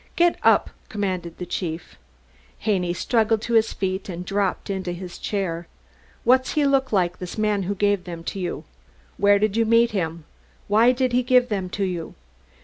"Get up!" commanded the chief. Haney struggled to his feet and dropped into his chair. "What does he look like this man who gave them to you? Where did you meet him? Why did he give them to you?"